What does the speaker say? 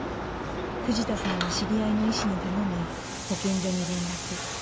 藤田さんは知り合いの医師に頼み保健所に連絡。